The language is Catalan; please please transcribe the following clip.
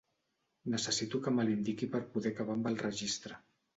Necessito que me l'indiqui per poder acabar amb el registre.